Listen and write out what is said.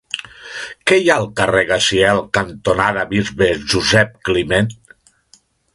Què hi ha al carrer Gaziel cantonada Bisbe Josep Climent?